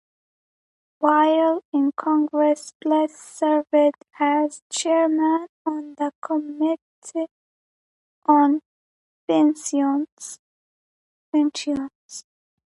While in Congress Bliss served as Chairman on the Committee on Pensions.